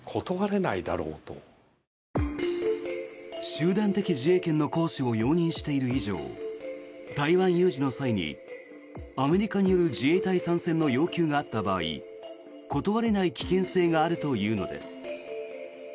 集団的自衛権の行使を容認している以上台湾有事の際に、アメリカによる自衛隊参戦の要求があった場合断れない危険性があるというのです。